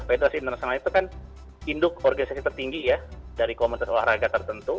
federasi internasional itu kan induk organisasi tertinggi ya dari komunitas olahraga tertentu